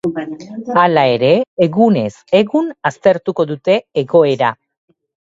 Hala ere, egunez egun aztertuko dute egoera.